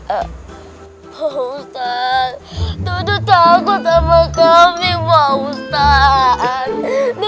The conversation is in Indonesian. pak ustadz dodot takut sama kambing pak ustadz